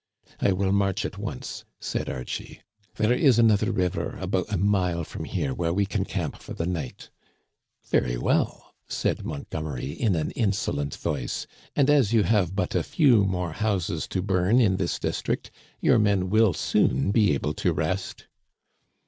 '*I will march at once," said Archie. "There is another river about a mile from here where we can camp for the night." Very well," said Montgomery, in an insolent voice ;" and as you have but a few more houses to bum in this district, your men will soon be able to rest."